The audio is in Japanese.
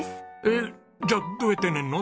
えっじゃあどうやって寝るの？